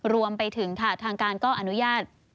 รวมไปถึงค่ะทางการก็อนุญาต